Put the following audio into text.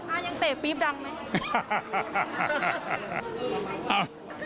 ยังเตะปี๊บดังไหม